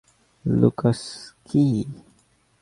Lucas, কি?